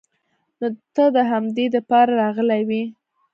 نو ته د همدې د پاره راغلې وې.